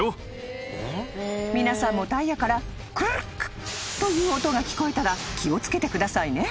［皆さんもタイヤから「クルック」という音が聞こえたら気を付けてくださいね］